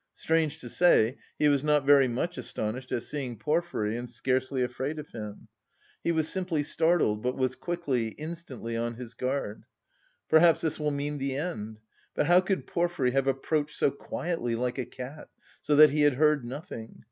Strange to say, he was not very much astonished at seeing Porfiry and scarcely afraid of him. He was simply startled, but was quickly, instantly, on his guard. "Perhaps this will mean the end? But how could Porfiry have approached so quietly, like a cat, so that he had heard nothing?